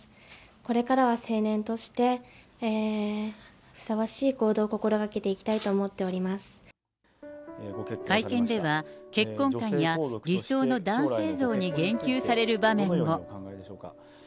これからは成年としてふさわしい行動を、心がけていきたいと思っ会見では、結婚観や理想の男性像に言及される場面も。